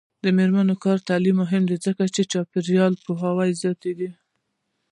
د میرمنو کار او تعلیم مهم دی ځکه چې چاپیریال پوهاوی زیاتوي.